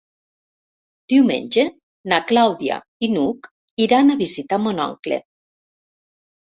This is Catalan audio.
Diumenge na Clàudia i n'Hug iran a visitar mon oncle.